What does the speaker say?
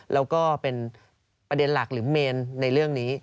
แล้วก็เป็นประเด็นหลักหรือเมนในเรื่องนี้